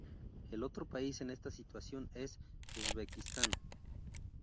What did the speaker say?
El otro país en esta situación es Uzbekistán.